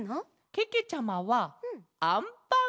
けけちゃまはあんパン。